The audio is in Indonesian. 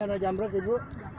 yang kena jamret ibu